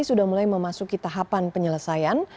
sudah mulai memasuki tahapan penyelesaian